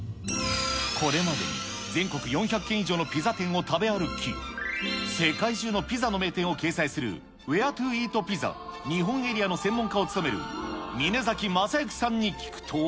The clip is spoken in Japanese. これまでに全国４００軒以上のピザ店を食べ歩き、世界中のピザの名店を掲載する、ウェア・トゥ・イート・ピザ日本エリアの専門家を務める、峯崎雅